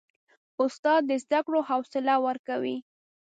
استاد د زده کړو حوصله ورکوي.